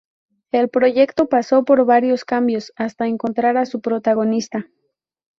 El proyecto pasó por varios cambios hasta encontrar a su protagonista.